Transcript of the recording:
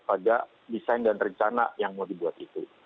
pada desain dan rencana yang mau dibuat itu